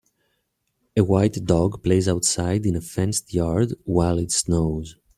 A white dog plays outside in a fenced yard while it snows.